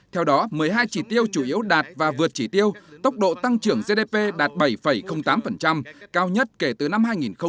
theo đó một mươi hai chỉ tiêu chủ yếu đạt và vượt chỉ tiêu tốc độ tăng trưởng gdp đạt bảy tám cao nhất kể từ năm hai nghìn một mươi sáu